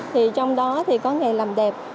thì trong đó thì có nghề làm đẹp